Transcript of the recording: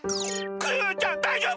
クヨヨちゃんだいじょうぶ！？